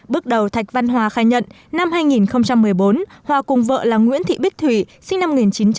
bước đầu thạch văn hòa khai nhận năm hai nghìn một mươi bốn hòa cùng vợ là nguyễn thị bích thủy sinh năm một nghìn chín trăm tám mươi